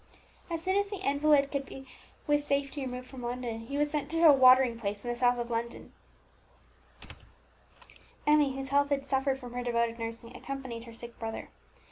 As soon as the invalid could be with safety removed from London, he was sent to a watering place in the south of England. Emmie, whose health had suffered from her devoted nursing, accompanied her sick brother.